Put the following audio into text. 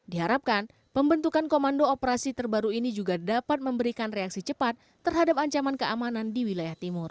diharapkan pembentukan komando operasi terbaru ini juga dapat memberikan reaksi cepat terhadap ancaman keamanan di wilayah timur